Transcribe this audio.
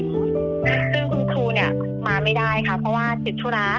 ซึ่งคุณครูเนี้ยมาไม่ได้ค่ะเพราะว่าเจ็บชุน้า